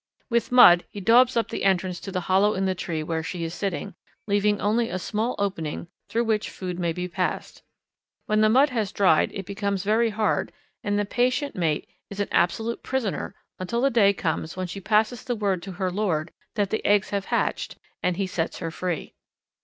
With mud he daubs up the entrance to the hollow in the tree where she is sitting, leaving only a small opening through which food may be passed. When the mud has dried it becomes very hard and the patient mate is an absolute prisoner until the day comes when she passes the word to her lord that the eggs have hatched, and he sets her free.